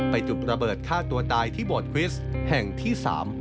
จุดระเบิดฆ่าตัวตายที่โบสถคริสต์แห่งที่๓